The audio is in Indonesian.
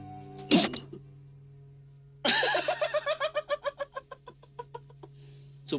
supaya kau bisa menangkap aku